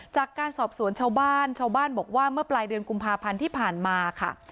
จากการสอบสวนชาวบ้านชาวบ้านบอกว่าเมื่อปลายเดือนกุมภาพันธ์ที่ผ่านมาค่ะ